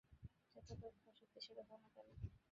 যত দক্ষ আর শক্তিশালী হও না কেনো।